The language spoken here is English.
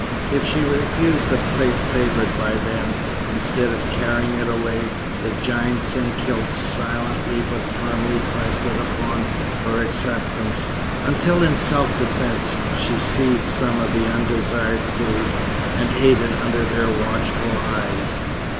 If she refused a plat favoured by them, instead of carrying it away, the giants in kilts silently but firmly pressed it upon her acceptance, until in self defence she seized some of the undesired food, and ate it under their watchful eyes.